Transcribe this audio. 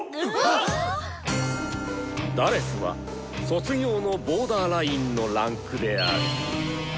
え⁉「４」は卒業のボーダーラインの位階である！